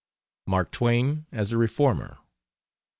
MARK TWAIN AS A REFORMER.